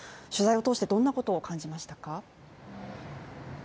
取材を通してどんなことを感じましたか？